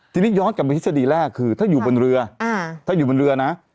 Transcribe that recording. ทีนี้ย้อนกับมฤทธิษฎีแรกคือถ้าอยู่บนเรือ